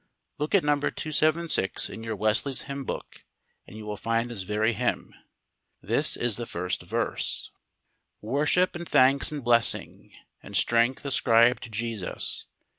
Look at number 276 in your Wesley's Hymn Book, and you will find this very hymn. This is the first verse: "Worship and thanks and blessing, And strength ascribe to Jesus!